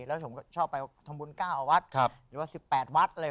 แล้วผมก็ชอบไปธรรมบุญเก้าวัดหรือว่าสิบแปดวัด